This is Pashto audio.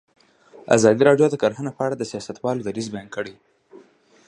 ازادي راډیو د کرهنه په اړه د سیاستوالو دریځ بیان کړی.